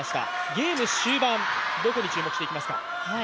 ゲーム終盤、どこに注目していきますか？